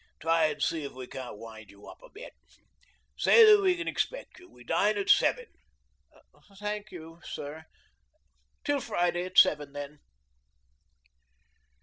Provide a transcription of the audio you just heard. Try and see if we can't wind you up a bit. Say that we can expect you. We dine at seven." "Thank you, sir. Till Friday at seven, then."